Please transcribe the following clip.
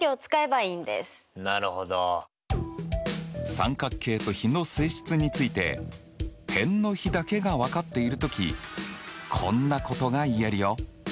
三角形と比の性質について辺の比だけが分かっている時こんなことが言えるよ。